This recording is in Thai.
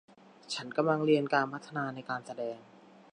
ฉันกำลังเรียนการพัฒนาในการแสดง